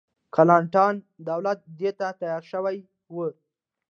کلنټن دولت دې ته تیار شوی و.